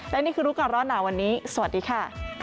และนี่คือรู้ก่อนร้อนหนาวันนี้สวัสดีค่ะ